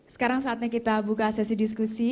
sekarang saatnya kita buka sesi diskusi